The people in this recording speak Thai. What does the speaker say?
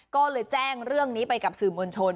ก็เลยแจ้งเรื่องนี้ไปกับสื่อมวลชน